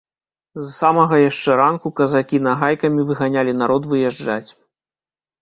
З самага яшчэ ранку казакі нагайкамі выганялі народ выязджаць.